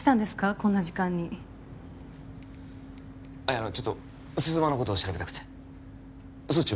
こんな時間にいやちょっと鈴間のことを調べたくてそっちは？